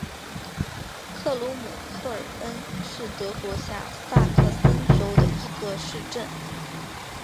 克鲁姆赫尔恩是德国下萨克森州的一个市镇。